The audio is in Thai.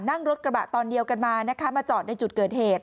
นั่งรถกระบะตอนเดียวกันมานะคะมาจอดในจุดเกิดเหตุ